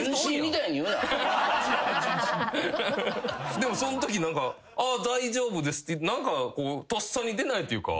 でもそんとき「大丈夫です」ってとっさに出ないというか。